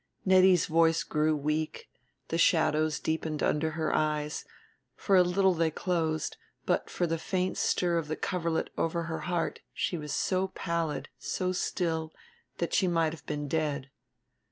Nettie's voice grew weak, the shadows deepened under her eyes, for a little they closed; and but for the faint stir of the coverlet over her heart she was so pallid, so still, that she might have been dead.